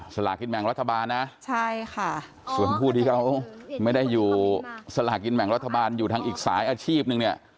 สลากินแบ่งรัฐบาลนะใช่ค่ะส่วนผู้ที่เขาไม่ได้อยู่สลากินแบ่งรัฐบาลอยู่ทางอีกสายอาชีพหนึ่งเนี่ย